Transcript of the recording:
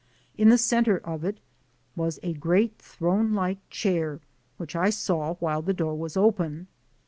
In the center of it was a great throne like chair, which I saw while the door was open.